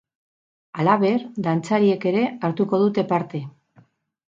Halaber, dantzariek ere hartuko dute parte.